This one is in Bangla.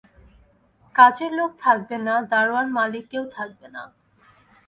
কাজের লোক থাকবে না, দারোয়ান মালী কেউ থাকবে না।